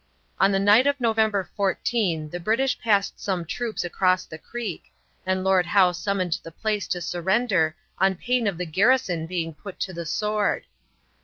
On the night of November 14 the British passed some troops across the creek, and Lord Howe summoned the place to surrender on pain of the garrison being put to the sword.